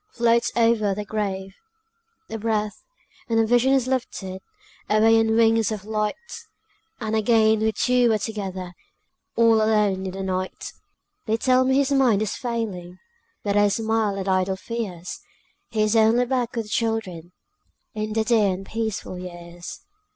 floats over their grave. A breath, and the vision is lifted Away on wings of light, And again we two are together, All alone in the night. They tell me his mind is failing, But I smile at idle fears; He is only back with the children, In the dear and peaceful years.